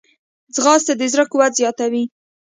ځغاسته د زړه قوت زیاتوي